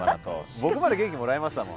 僕まで元気もらいましたもん。